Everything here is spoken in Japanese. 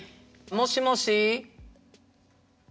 もしもし？